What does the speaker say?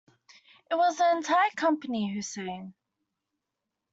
It was the entire company who sang.